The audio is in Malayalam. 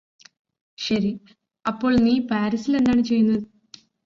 ശരി അപ്പോൾ നീ പാരിസിലെന്താണ് ചെയ്യുന്നത്